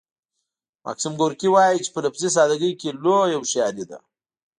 ماکسیم ګورکي وايي چې په لفظي ساده ګۍ کې لویه هوښیاري ده